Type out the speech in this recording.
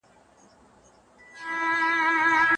ځکه چې په پښتو ژبه یې زده کړې نه ورکولې.